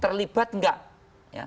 terlibat nggak dana dana provinsi itu